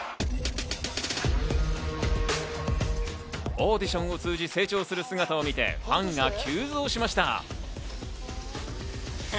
オーディションを通じ成長する姿を見て、ファンが急増しました。